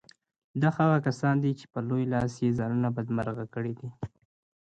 دا هغه کسان دي چې په لوی لاس يې ځانونه بدمرغه کړي دي.